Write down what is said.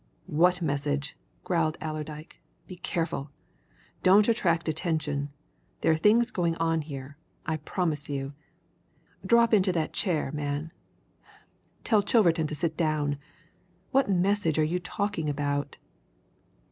"What message?" growled Allerdyke. "Be careful! Don't attract attention there are things going on here, I promise you! Drop into that chair, man tell Chilverton to sit down. What message are you talking about?"